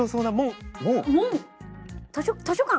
図書館？